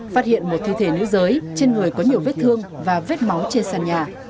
phát hiện một thi thể nữ giới trên người có nhiều vết thương và vết máu trên sàn nhà